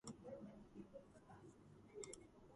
მალევე მოხვდა ავგუსტა ფიკერტის ნაცნობების წრეში.